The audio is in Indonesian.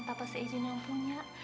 tapa seijin yang punya